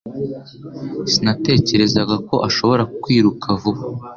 Sinatekerezaga ko ashobora kwiruka vuba